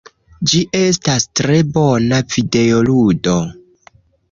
Ĝi estas tre bona videoludo.